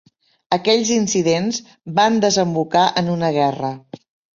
Aquells incidents van desembocar en una guerra.